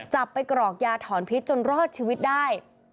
จับไปกรอกยาถอนพิษจนรอดชีวิตได้